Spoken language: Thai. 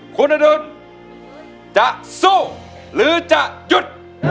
คุณอดุลจะสู้หรือจะหยุด